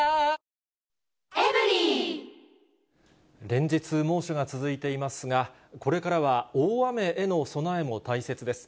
連日猛暑が続いていますが、これからは大雨への備えも大切です。